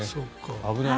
危ない。